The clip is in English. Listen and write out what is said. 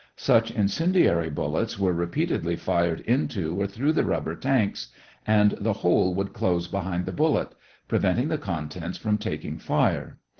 Such incendiary bullets were repeatedly fired into or through the rubber tanks and the hole would close behind the bullet, preventing the contents from taking fire.